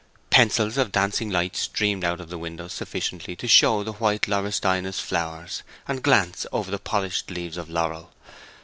Pencils of dancing light streamed out of the windows sufficiently to show the white laurestinus flowers, and glance over the polished leaves of laurel.